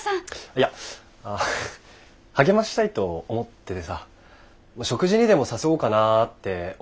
いや励ましたいと思っててさ食事にでも誘おうかなって思ってるんだけど。